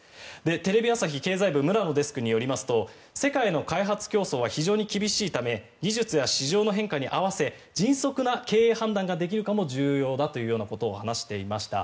テレビ朝日経済部の村野デスクによりますと世界の開発競争は非常に厳しいため技術や市場の変化に合わせ迅速な経営判断ができるかも重要だということを話していました。